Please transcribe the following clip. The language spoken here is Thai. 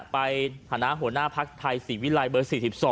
ในฐานะหัวหน้าภักดิ์ไทยศรีวิลัยเบอร์๔๒